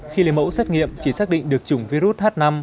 khi lấy mẫu xét nghiệm chỉ xác định được chủng virus h năm